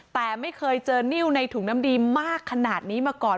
แต่ไม่เคยเจอนิ้วในถุงน้ำดีมากขนาดนี้มาก่อน